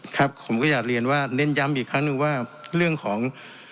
ครับผมก็อยากเรียนว่าเน้นย้ำอีกครั้งหนึ่งว่าเรื่องของ